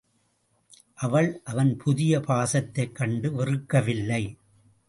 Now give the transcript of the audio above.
அவள் அவன் புதிய பாசத்தைக் கண்டு வெறுக்கவில்லை.